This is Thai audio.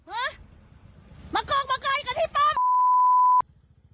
แอบในห้องน้ำพอกูเดินไปนู้น